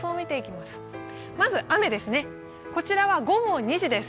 まず雨ですね、こちらは午後２時です。